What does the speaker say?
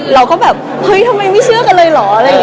เราก็แบบเฮ้ยทำไมไม่เชื่อกันเลยเหรอ